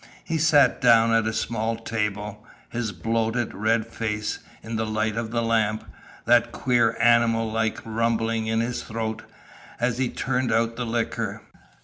He sat down at a small table, his bloated, red face in the light of the lamp, that queer animal like rumbling in his throat, as he turned out the liquor.